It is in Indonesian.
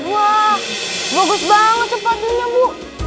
wah bagus banget sepatunya bu